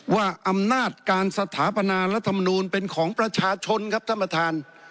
ว่าอำนาจการสถาปนารัฐมนูลเป็นของประชาชนครับท่านประธาน